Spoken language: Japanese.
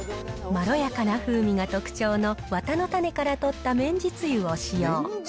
まろやかな風味が特徴の綿の種から取った綿実油を使用。